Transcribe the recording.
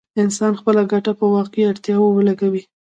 انسان خپله ګټه په واقعي اړتياوو ولګوي.